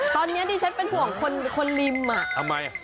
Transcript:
ตอนนี้ดิฉันเป็นห่วงคนริมอ่ะทำไม